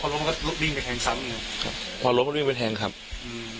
อ๋อคือพอเขารถมันก็ลุกวิ่งไปแทงซ้ำอย่างนี้ครับพอรถมันวิ่งไปแทงขับอืม